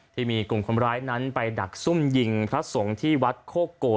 ที่มีกลุ่มคนร้ายนั้นไปดักซุ่มยิงพระสงฆ์ที่วัดโคโก